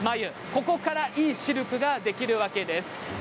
ここからいいシルクができるわけです。